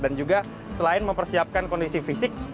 dan juga selain mempersiapkan kondisi fisik